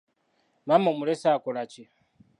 Maama omulese akola ki?